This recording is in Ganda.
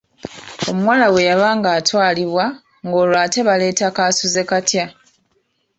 Omuwala bwe yabanga atwalibwa ng’olwo ate baleeta kaasuzekatya.